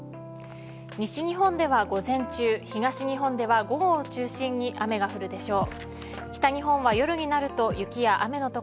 西日本では午前中東日本では午後を中心に雨が降るでしょう。